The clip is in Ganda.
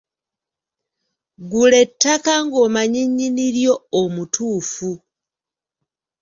Gula ettaka ng’omanyi nnyini lyo omutuufu.